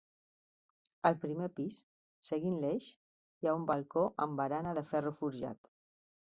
Al primer pis, seguint l'eix, hi ha un balcó amb barana de ferro forjat.